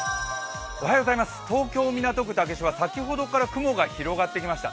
東京・港区竹芝、先ほどから雲が広がってきました。